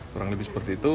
kurang lebih seperti itu